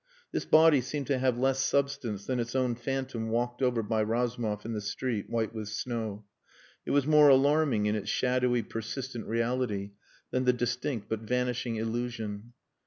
This body seemed to have less substance than its own phantom walked over by Razumov in the street white with snow. It was more alarming in its shadowy, persistent reality than the distinct but vanishing illusion.